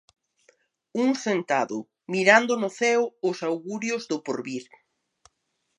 Un sentado, mirando no ceo os augurios do porvir.